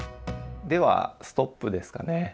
ではストップですかね。